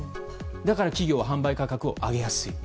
だから企業は販売価格を上げやすい。